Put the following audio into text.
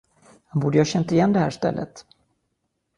Han borde ju ha känt igen det här stället.